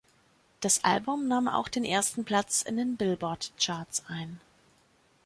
Das Album nahm auch den ersten Platz in den Billboard-Charts ein.